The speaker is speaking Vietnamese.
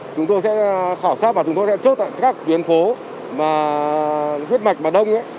chúng tôi sẽ khảo sát và chúng tôi sẽ chốt tại các tuyến phố huyết mạch và đông ấy